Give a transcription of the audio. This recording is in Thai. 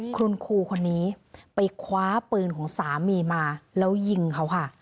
คุณครูคนนี้ไปคว้าปืนของสามีมาแล้วยิงเขาค่ะ